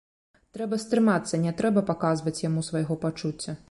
Трэба стрымацца, не трэба паказваць яму свайго пачуцця.